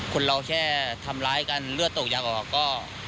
คนเราแค่ทำร้ายกันเลือดตกยางออกก็